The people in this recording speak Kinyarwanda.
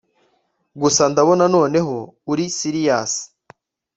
gusa ndabona noneho uri siriyasi